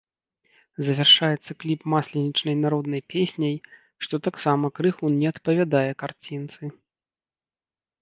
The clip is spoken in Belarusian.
Завяршаецца кліп масленічнай народнай песняй, што таксама крыху не адпавядае карцінцы.